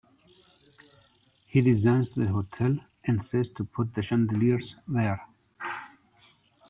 "He designs the hotel and says to put the chandeliers there.